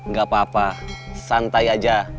gak apa apa santai aja